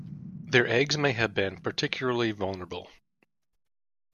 Their eggs may have been particularly vulnerable.